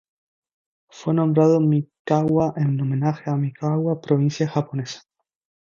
Fue nombrado Mikawa en homenaje a Mikawa provincia japonesa.